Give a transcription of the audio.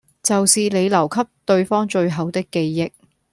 就是你留給對方最後的記憶